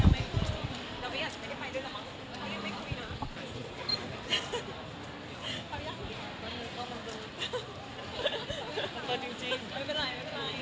ไม่เป็นไร